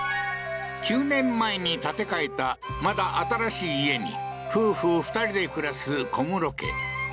９年前に建て替えた、まだ新しい家に夫婦２人で暮らす小室家。